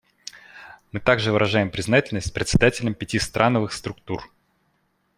Мы также выражаем признательность председателям пяти страновых структур.